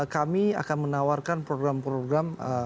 kami akan menawarkan program program